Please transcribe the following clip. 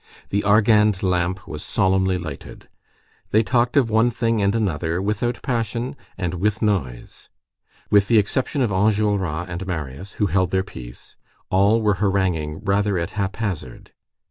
The argand lamp was solemnly lighted. They talked of one thing and another, without passion and with noise. With the exception of Enjolras and Marius, who held their peace, all were haranguing rather at hap hazard.